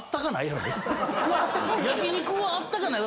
焼き肉はあったかない。